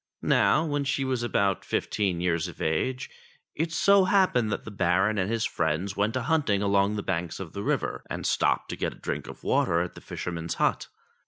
Now when she was about fifteen years of age it so hap pened that the Baron and his friends went a hunting along the banks of the river and stopped to get a drink of water at the fisherman's hut.